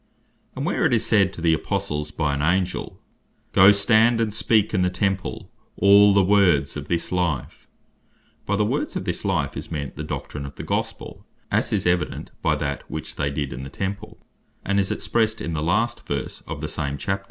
And (Acts 5.20.) where it is said to the Apostles by an Angel, "Go stand and speak in the Temple, all the Words of this life;" by the Words of this life, is meant, the Doctrine of the Gospel; as is evident by what they did in the Temple, and is expressed in the last verse of the same Chap.